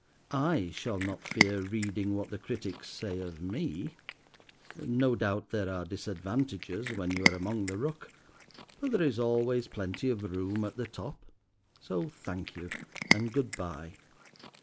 I shall not fear reading what the critics say of me. No doubt there are disadvantages, when you are among the ruck, but there is always plenty of room at the top. So thank you, and goodbye."